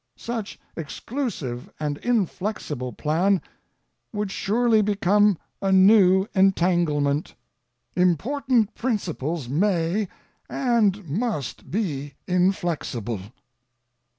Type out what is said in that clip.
Such exclusive, and inflexible plan, would surely become a new entanglement. Important principles may, and must, be inflexible.